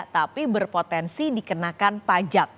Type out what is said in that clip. tapi berpotensi dikenakan pajak